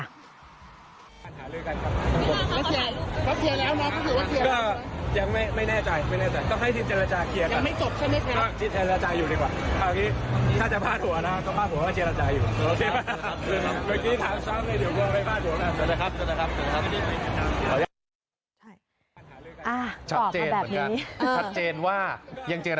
อ่าตอบกันแบบนี้